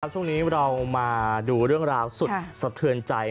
ช่วงนี้เรามาดูเรื่องราวสุดสะเทือนใจ